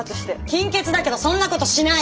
金欠だけどそんなことしない！